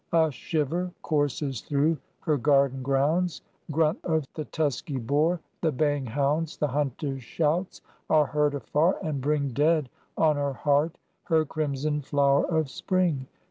A shiver courses through her garden grounds: Grunt of the tusky boar, the baying hounds, The hunter's shouts, are heard afar, and bring Dead on her heart her crimsoned flower of Spring.